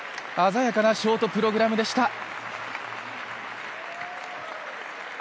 鮮やかなショートプログラムでした。